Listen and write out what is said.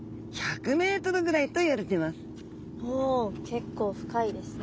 おお結構深いですね。